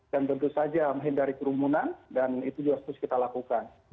dan tentu saja menghindari kerumunan dan itu juga harus kita lakukan